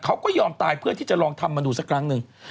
เขาก็ยอมตายเพื่อที่จะลองทำมาดูสักครั้งหนึ่ง